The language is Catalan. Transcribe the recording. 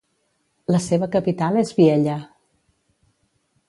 La seva capital és Biella.